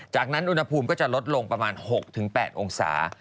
จากนั้นอุณหภูมิก็จะลดลงประมาณ๖๘องศา